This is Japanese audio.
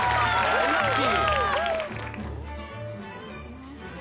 大好き！